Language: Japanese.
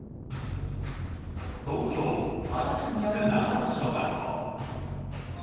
東京・足立区にある長門小学校。